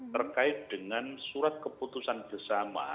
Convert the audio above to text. terkait dengan surat keputusan bersama